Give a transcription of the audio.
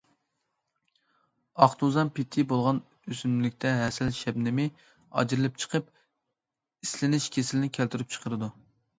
ئاق توزان پىتى بولغان ئۆسۈملۈكتە ھەسەل شەبنىمى ئاجرىلىپ چىقىپ، ئىسلىنىش كېسىلىنى كەلتۈرۈپ چىقىرىدۇ.